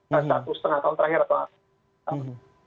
jadi ketika sudah ada pemerintah mencabut kelarangan